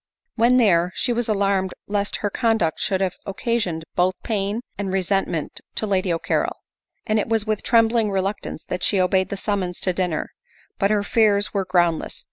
When there, she was alarmed lest her conduct should have occasioned both pain' and resentment to Lady O'Carrol ; and it was with trembling reluctance that she obeyed the summons to dinner; but her fears were groundless.